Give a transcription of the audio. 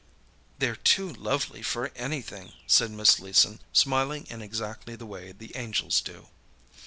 "They're too lovely for anything," said Miss Leeson, smiling in exactly the way the angels do.